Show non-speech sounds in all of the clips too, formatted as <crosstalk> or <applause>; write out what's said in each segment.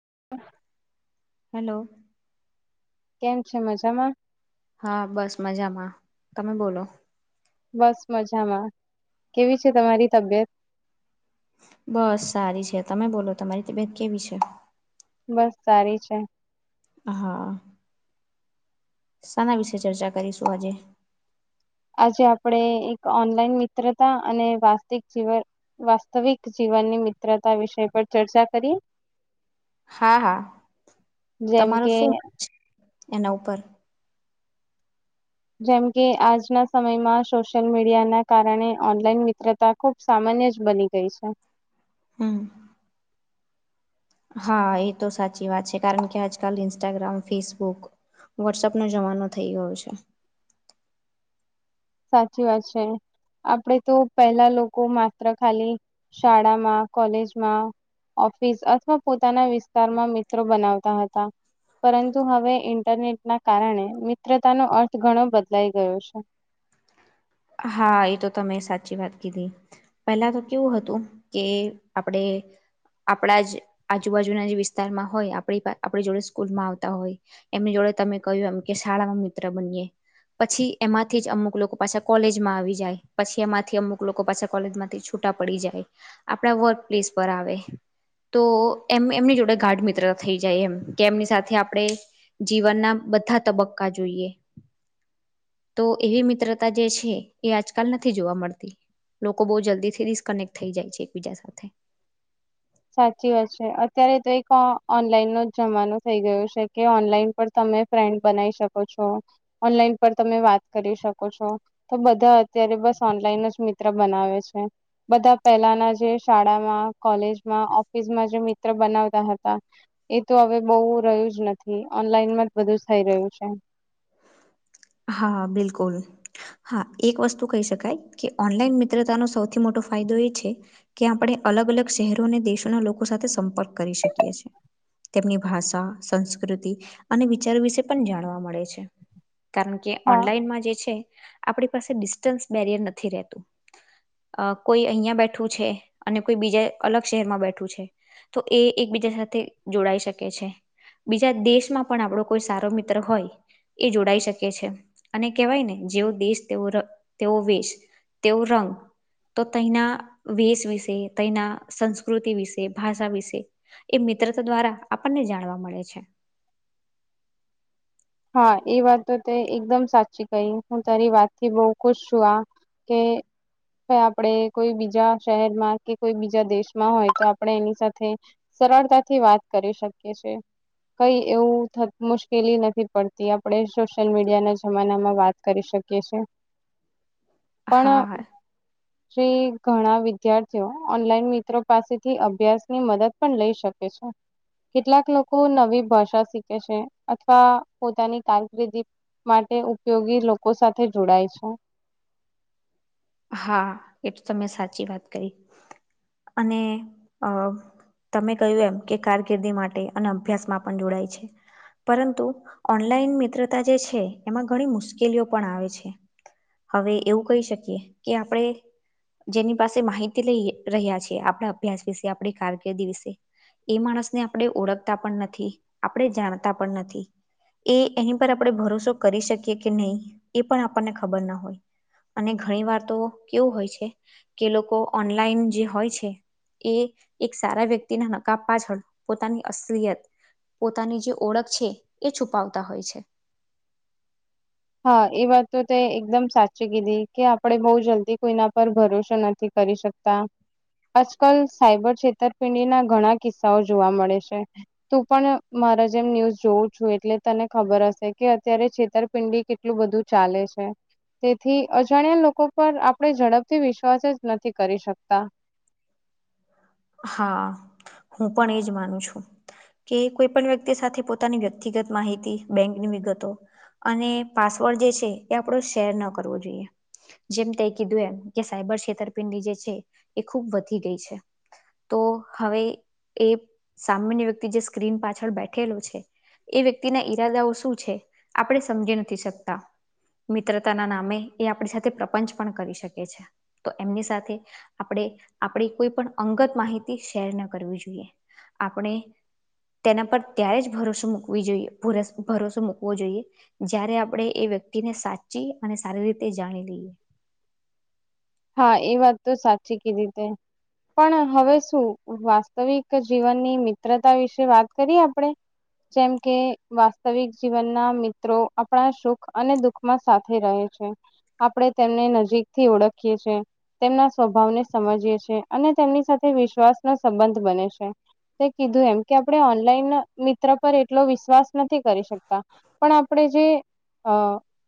<inaudible> Hello કેમ છે મજામાં હા બસ મજામાં તમે બોલો બસ, મજામાં. કેવી છે તમારી તબિયત? બસ સારી છે તમે બોલો તમારી તબિયત કેવી છે બસ સારી છે. હા શાના વિશે ચર્ચા કરીશું આજે આજે આપણે એક ઓનલાઈન મિત્રતા અને વાસ્તવિક જીવન વાસ્તવિક જીવનની મિત્રતા વિષય પર ચર્ચા કરીએ હા હા જેમ તમારો કે શું છે એના ઉપર જેમ કે આજના સમયમાં સોશિયલ મીડિયા ના કારણે ઓનલાઈન મિત્રતા ખુબ સામાન્ય જ બની ગઈ છે. હમ. હા એ તો સાચી વાત છે કારણ કે આજકાલ ઇન્સ્ટાગ્રામ ફેસબુક વોટ્સઅપ નો જમાનો થઇ ગયો છે. સાચી વાત છે. આપણેે તો પહેલા લોકો માત્ર ખાલી શાળામાં કોલેજમાં ઓફિસ અથવા પોતાના વિસ્તારમાં મિત્રો બનાવતા હતા પરંતુ હવે ઈન્ટરનેટના કારણે મિત્રતાનો અર્થ ઘણો બદલાઈ ગયો છે હા, એ તો તમે સાચી વાત કીધી. પેલા તો કેવું હતું કે આપડે આપણા જ આજુબાજુના જે વિસ્તારમાં હોય આપ આપ જોડે સ્કૂલમાં આવતા હોય એમની જોડે તમે કહ એમ કે શાળામાં મિત્ર બનીએ પછી એમાંથી જ અમુક લોકો પાછા કોલેજમાં આવી જાય પછી એમાંથી અમુક લોકો પાછા કોલેજ માંથી છૂટા પડી જાય આપડા વર્ક પ્લેસ પર આવે તો એમ એમની જોડે ગાઢ મિત્ર થઈ જાય એમ કે એમની સાથે આપણે જીવનના બધા તબક્કા જોઈએ તો એવી મિત્રતા જે છે એ આજકાલ નથી જોવા મળતી લોકો બો જલ્દીથી ડિસ્કનેક્ટ થઈ જાય છે, એકબીજા સાથે. સાચી વાત છે અત્યારે તો એક ઓનલાઈન ન જમાનો થઈ ગયો છે કે ઓનલાઈન પર ત ફન્ બનાવી શકો છો ઓનલાઈન પર તમે વાત કરી શકો છો તો બધા અત્યારે ઓનલાઈન જ મિત્ર બનાવે છે બધા પેલાના જે શાળામાં કોલેજ ઓફિસ જે મિત્ર બનાવતા હતા એ તો હવે બહ રહ્યું જ નથી ઓનલાઈનમાં બધું થઈ રહ્યું છે હા બિલકુલ હા એક વસ્તુ કહી શકાય કે ઓનલાઈન મિત્રતાનો સૌથી મોટો ફાયદો એ છે કે આપણે અલગ અલગ શહેરો અને દેશોના લોકો સાથે સંપર્ક કરી શકીએ છી. તેમની ભાષા સંસ્કૃતિ અને વિચાર વિશે પણ જાણવા મળે છે કારણ કે હા ઓનલાઈનમાં જે છે આપણી પાસે ડિસ્ટન્સ બેરિયર નથી રહેતું અ કોઈ અહં બેઠું છે અને કોઈ બીજા અલગ શહેરમાં બેઠું છે તો એ એક બીજા સાથે જોડાઈ શકે છે બીજા દેશમાં પણ આપણો કોઈ સારો મિત્ર હોય એ જોડાઈ શકે છે અને કેહેવાય ને જેવો દેશ તેવો તેવો વેશ તેવો રંગ તો તના વેશ વિશે તના સંસ્કૃતિ વિશે ભાષા વિશે એ મિત્ર દ્વારા આપણને જાણવા મળે છે હા એ વાત તો તે એકદમ સાચી કહી હું તારી વાત થી બહુ ખુશ છું આ કે કે આપણે કોઈ બીજા શહેરમાં કે કોઈ બીજા દેશમાં હોય તો આપડે એની સાથે સરળતાથી વાત કરી શકીએી કઈ એવું મુશ્કેલી નથી પરથી આપણે સોશિયલ મીડિયા ના જમાના માં વાત કરી શકીએી હા પણ ઘણા વિદ્યાર્થીઓ ઓનલાઈન મિત્રો પાસેથી અભ્યાસ ની મદદ પણ લઈ શકે છે કેટલાક લોકો નવી ભાષા શીખે છે. અથવા પોતાની કારકિર્દી માટે ઉપયોગી લોકો સાથે જોડાય છે હા એટ તમે સાચી વાત કરી અને અ તમે કહ્યું એમ કે કારકિર્દી માટે અને અભ્યાસ માં પણ જોડાય છે પરંતુ ઓનલાઈન મિત્રતા જે છે એમાં ઘણી મુશ્કેલીઓ પણ આવે છે. હવે એવું કહી શકીએ કે આપણેે જેની પાસે માહિતી લઈ રહ્યા છે આપણા અભ્યાસ વિશે. આપણી કારકિર્દી વિશે. એ માણસને આપણે ઓળખતા પણ નથી આપણે જાણતા પણ નથી એ એની પર આપણે ભરોસો કરી શકીએ કે નહીં એ પણ આપણને ખબર ના હોય અને ઘણી વાર તો કેવું હોય છે કે લોકો ઓનલાઈન જે હોય છે એ એક સારા વ્યક્તિના નકા પાછળ પોતાની અસલિયત પોતાની જે ઓળખ છે એ છુપાવતા હોય છે હા એ વાત તો તે એકદમ સાચી કીધી કે આપડે બહુ જલ્દી કોઈના પર ભરોસો નથી. કરી શકતા આજકાલ સાયબર છેતરપિંડી ના ઘણા કિસ્સાઓ જોવા મળે છે તું પણ. મા જેમ ન્યુઝ જોઉું છું એટલે તને ખબર હશે કે અત્યારે છેતરપિંડી કેટલું બધું ચાલે છે તેથી અજાણ્યા લોકો પર આપણે ઝડપથી વિશ્વાસ જ નથી કરી શકતા હા હું પણ એજ માનું છું કે કોઈ પણ વ્યક્તિ સાથે પોતાની વ્યક્તિગત માહિતી બેંકની વિગતો અને પાસવર્ડ જે છે એ આપડો શેર ન કરવો જોઈએ જેમ તે કીધું એમ કે સાયબર છેતરપિંડી જે છે એ ખૂબ વધી ગઈ છે. તો હવે એ સામાન્ય વ્યક્તિ જે સ્ક્રીન પાછળ બેઠેલો છે એ વ્યક્તિના ઈરાદાઓ શું છે આપણે સમજી નથી શકતા મિત્રતાના નામે એ આપણી સાથે પ્રપંચ પણ કરી શકે છે તો એમની સાથે આપણે આપણી કોઈ પણ અંગત માહિતી શેર ના કરવી જોઈએ આપણે તેના પર ત્યારે જ ભરોસો મૂકવી જોઈએ ભરોસો મૂકવો જોઈએ જય્યારે આપણે વ્યક્તિને સાચી અને સારી રીતે જાણી લઈએ હા એ વાત તો સાચી કીધીતે. પણ હવે શું વાસ્તવિક જીવનની મિત્રતા વિશે વાત કરીએ આપણે જેમ કે વાસ્તવિક જીવનના મિત્રો આપણા સુખ અને દુખમાં સાથે રહે છે આપણેે તેમને નજીક થી ઓળખીએી તેમના સ્વભાવને સમજીએી અને તેમની સાથે વિશ્વાસનોો સંબંધ બને છે કીધું એમ કે આપણે ઓનલાઈન મિત્ર પર એટલો વિશ્વાસ નથી કરી શકતા પણ આપણે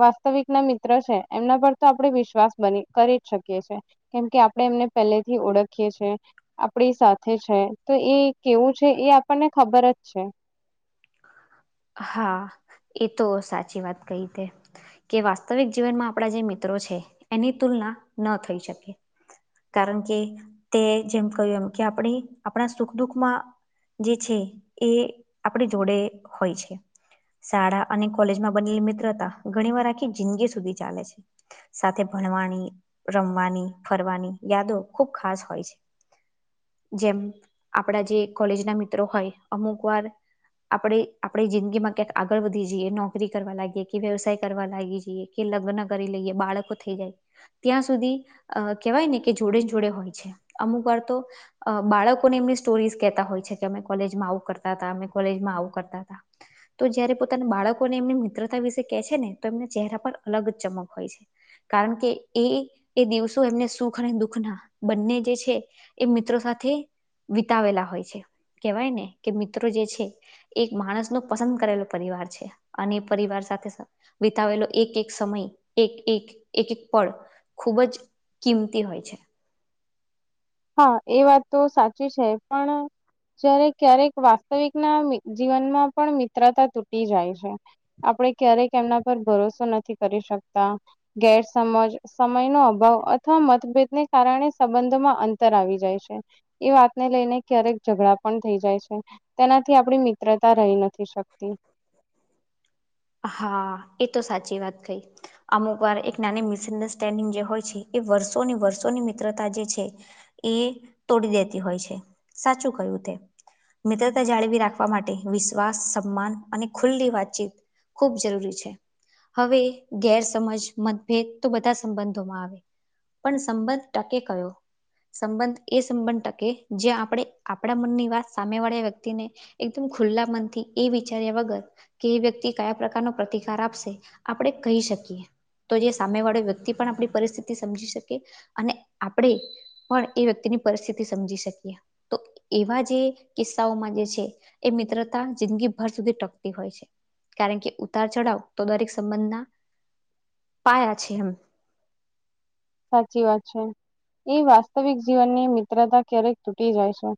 વાસ્તવિક ના મિત્ર છે એમના પર તો આપણે વિશ્વાસ બની કરી જ શકીએ છી કેમ કે આપણે એમને પહેલેથી ઓળખીએ છ છે આપણી સાથે છે એ કેવું છે એ આપણને ખબર જ છે હા એ તો સાચી વાત કઈ તે કે વાસ્તવિક જીવનમાં આપણા જે મિત્રો એની તુલના ન થઈ, શકે કારણ, કે તે જેમ કહ્યું એમ કે આપણે આપણા સુખ દુઃખમા જે છે, એ આપણી જોડે હોય છે. શાળા અને કોલેજમા, બનેલી મિત્રતા ઘણી વાર આખી જિંદગી સુધી ચાલે છે. સાથે ભણવાની, રમવાની ફરવાની યાદો ખુબ ખાસ હોય છે. જેમ આપણા જે કોલેજ ના મિત્રો હોય અમુક વાર આપણેે આપણે જિંદગી માં ક્યાંક આગળ વધી જઈએ નોકરી કરવા લાગીએ કે વ્યવસાય કરવા લાગી જઈએ કે લગ્ન કરી લઈએ બાળકો થઈ જાય ત્યાં સુધી અ કહેવાય ને કે જોડે જોડે હોય છે અમુક વાર તો બાળકોને એમની સ્ટોરીઝ કેતા હોય છે કે અમે કોલેજમાં આવું કરતા હતા અમે કોલેજમાં આવું કરતા હતા તો જયારે પોતાના બાળકોને એમની મિત્રતા વિશે કેહે છે ને તો એમના ચહેરા પર અલગ જ ચમક હોય છે. કારણ કે એ એ દિવસો એમને સુખ અને દુખ ના બંને જે છે એ મિત્રો સાથે. વિતાવેલા હોય છે કેવાય ને કે મિત્રો જે છે માણસ નો પસંદ કરેલો પરિવાર છે અને પરિવાર સાથે વિતાવેલો એક એક સમય એક એક એક એક પળ ખૂબ જ કિંમતી હોય છે. હા એ વાત તો સાચી છે પણ જ્યારે ક્યારેક વાસ્તવિક ના જીવનમાં પણ મિત્રતા તૂટી જાય છે આપણે ક્યારેક એમના પર ભરોસો નથી કરી શકતા ગેરસમજ સમય નો અભાવ અથવા મતભેદને કારણે સંબંધોમાં અંત આવી જાય છે એ વાતને લઈને ક્યારેક ઝઘડા પણ થઈ જાય છે. તેનાથી આપ મિત્ર રહી નથી, શકતી હા, એ તો સાચી વાત કઈ અમુક વાર એક નાની મિસઅન્ડરસ્ટેન્ડિંગ જે હોય છે. એ વર્ષોની વર્ષોની મિત્રતા જે છે, એ તોડી દેતી હોય છે. સાચુ, કયું તે મિત્રતા, જાળવી રાખવા માટે વિશ્વાસ સમાન અને ખુલ્લી વાતચીત ખૂબ જરૂરી છે. હવે, ગેરસમજ મતભેદ તો બધા સંબંધોમાં આવે પણ સંબંધ, ટકે કયો સંબંધ એ સંબંધ, ટકે જે આપણે આપણા મનની વાત સામે વાળા વ્યક્તિને એકદમ ખુલ્લા મનથી, એ વિચાર્યા વગર કે વ્યક્તિ કયા પ્રકારનો, પ્રતિકાર આપશે આપણે કહી શકીએ તો જે સામે વાળો વ્યક્તિ પણ આપણી પરિસ્થિતિ, સમજી શકે અને આપણે પણ એ વ્યક્તિ પરિસ્ત સમજી, શકી તો એવા જે કિસાઓમાં જે છે એ મિત્રતા સુધી ટકતી હોય, છે. કારણ કે ઉતાર ચઢાવ તો દરેક સંબંધના પાાયયા છે, એમ સાચી વાત છે. એ વાસ્તવિક જીવનની મિત્રતા ક્યારેક તૂટી જાય છે,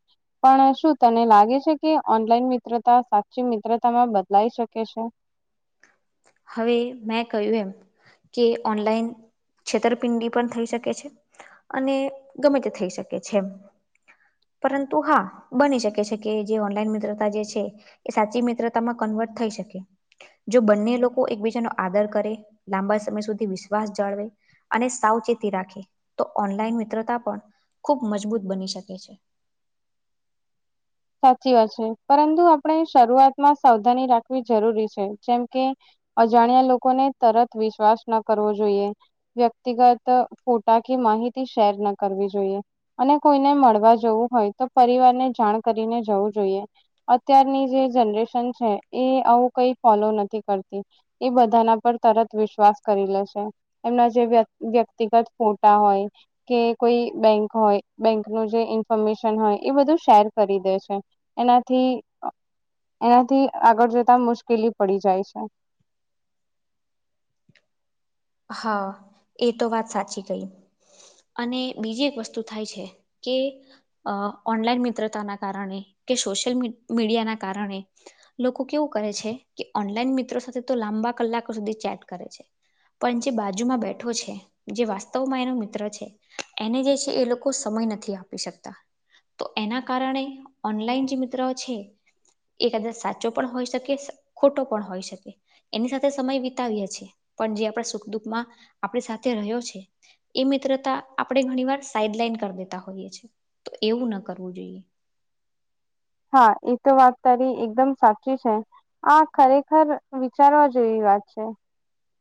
પણ શું તને લાગે છે, કે ઓનલાઈન મિત્રતા, સાચી મિત્રતામાં બદલાઈ શકે છે. હવે, મેં કહ્યું એમ કે ઓનલાઈન છેતરપિંડી પણ થઈ શકે છે, અને ગમે તે થઈ શકે છે. પરંતુ હા બની શકે છે કે જે ઓનલાઈન મિત્રતા જે છે. એ સાચી મિત્રતામાં ક થઈ શકે જો બંને લોકો એકબીજા નો આદર, કરે લાંબા સમય સુધી વિશ્વાસ જાળવે અને સાવચેતી રાખે તો ઓનલાઈન, મિત્રતા પણ ખૂબ મજબૂત બની શકે છે. સાચી વાત છે. પરંતુ આપણે શરૂઆતમાં સાવધાની રાખવી જરૂરી છે, જેમ કે અજાણ્યા, લોકોને તરત વિશ્વાસ ન કરવો જોઈએ. વ્યક્તિગત ફોટા માહિતી, શેર ના કરવી જોઈએ અને કોઈને મળવા જવું હોય, તો પરિવારને જાણ કરીને જવું જોઈએ અત્યારની જે જનરેશન છે, એ આવું કઈ ફોલો નથી કરત એ બધાના પર તરત વિશ્વાસ કરી લેશે, એને જે વ્યક વ્યક્તિગત ખોટ હોય કે કોઈ બેંક હોય બેંક નું જે ઇન્ફોર્મેશન હોય એ બધું શેર ખરીદે છે એનાથી એનાથી આગળ જતા મુશ્કેલી પડી જાય છે <inaudible> હા એ તો વાત સાચી કઈ અને બીજી એક વસ્તુ થાય છે. કે અ ઓનલાઈન મિત્રતાના કારણે કે સોશિયલ મીડ મીડિયા ના કારણે લોકો કેવું કરે છે. કે ઓનલાઈન મિત્રો સાથે તો લાંબ લંબા કલાકો સુધી ચેટ કરે છે. પણ જે બાજુમાં બેઠો છે, જે વાસ્તવમા એનો મિત્ર છે એને જે છે. એ લોકો સમય નથી નથી આપીસકતા એના કારણે ઓનલાઈન જે મિત્ર છે. એ કદાચ સાચો પણ હોઈ શકે ખોટો પણ હોઈ, શકે એની સાથે સમય વિતાવીએ છે. પણ જ્યા પ્રસ સુ દુખ આપ સાથે રહ્યો છે. એ મિત્રતા આપ ઘણી વાર સાઈડ, લન કરી દેતા હોય તો એવુના કરવુ, જોઈએ હા, એ તો વાત તારી એકદમ સાચી છે. હા, ખરેખર વિચારવા જેવી વાત છે.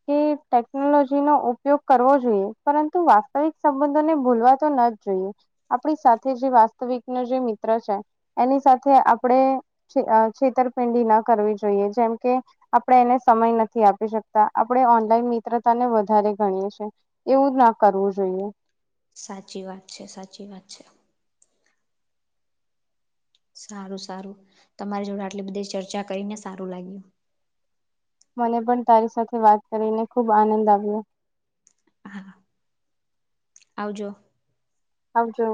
કે ટેકનોલોજી, નો ઉપયોગ કરવા જોઈએ પરંતુ વાસ્તવિક સંબંધોને ભૂલવા તો ન જોઈએ આપડી સાથે જે વાસ્તવિક નો જે મિત્ર છે. એની સાથે આપણે છેતરપિંડી, ના કરવી જોઈએ જેમ કે આપણે એને સમય નથી. આપ આપણે ઓનલાઈન મિત્રતાને વધારે ગણીએ છીએ એવું ના કરવું જોઈએ સાચી વાત છે સાચી વાત છે સારું સારું તમારી જોડે આટલી બધી ચર્ચા કરીને સારું લાગ્યું મને પણ તારી સાથે વાત કરીને ખુબ આનંદ આવ્યો હા આવ જોો આવજો